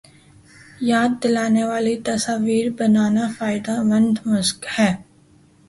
یاد دلانے والی تصاویر بنانا فائدے مند مشق ہے